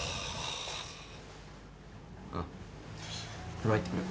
風呂入ってくる。